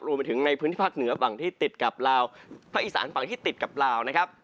ในพื้นที่ภาคเหนือฝั่งที่ติดกับลาวภาคอีสานฝั่งที่ติดกับลาวนะครับ